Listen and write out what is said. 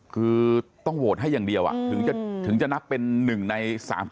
คือต้องโหวตให้อย่างเดียวถึงจะนับเป็น๑ใน๓๐